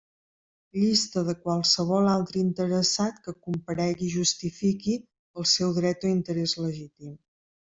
Llista de qualsevol altre interessat que comparegui i justifiqui el seu dret o interès legítim.